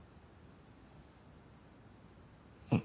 うん。